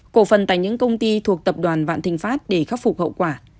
cổ phần tại những công ty thuộc tập đoàn vạn thịnh pháp để khắc phục hậu quả